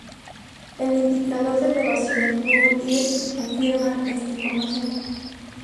El Indicador de elevación en Google Earth confirma esta información.